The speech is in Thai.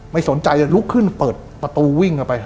ไม่สนใจจะลุกขึ้นเปิดประตูวิ่งเข้าไป